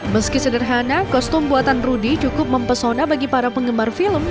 meski sederhana kostum buatan rudy cukup mempesona bagi para penggemar film